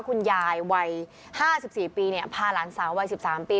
คุณยายวัย๕๔ปีพาหลานสาววัย๑๓ปี